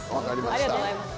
ありがとうございます。